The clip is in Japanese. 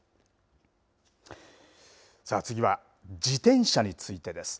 さあ、次は自転車についてです。